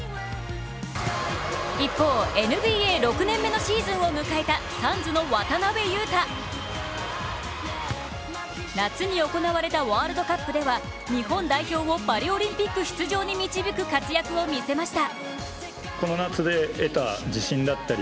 一方、ＮＢＡ６年目のシーズンを迎えたサンズの渡邊雄太、夏に行われたワールドカップでは、日本代表をパリオリンピック出場に導く活躍を見せました。